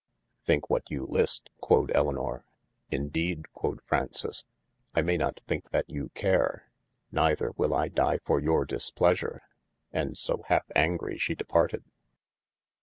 Thinke what you lyst quod Elinor. In deede quod Fraunces, I may not thinke that you care, neither wyll I dye for your displeasure :& so halfe angrie she departed.